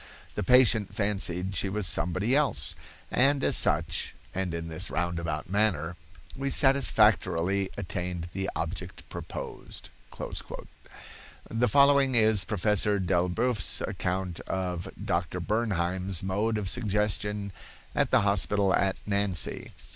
The patient fancied she was somebody else, and as such, and in this roundabout manner, we satisfactorily attained the object proposed." The following is Professor Delboeuf's account of Dr. Bernheim's mode of suggestion at the hospital at Nancy.